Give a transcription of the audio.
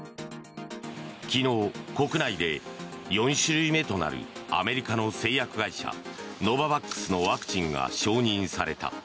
昨日、国内で４種類目となるアメリカの製薬会社ノババックスのワクチンが承認された。